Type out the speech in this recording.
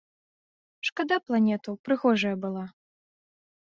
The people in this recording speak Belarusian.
Шкада планету, прыгожая была.